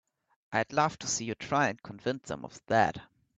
I'd love to see you try and convince them of that!